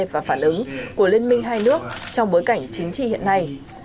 và phản ứng của liên minh hai nước trong bối cảnh chính trị hiện nay